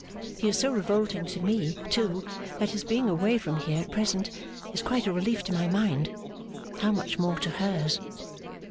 He is so revolting to me, too, that his being away from here, at present, is quite a relief to my mind. How much more to hers!